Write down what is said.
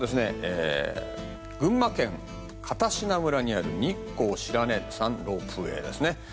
群馬県片品村にある日光白根山ロープウェイです。